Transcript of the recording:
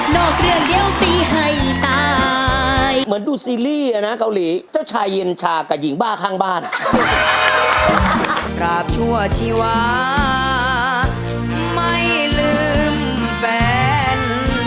เหมือนดูซีรีส์อ่ะนะเกาหลีเจ้าชายเย็นชากับหญิงบ้าข้างบ้าน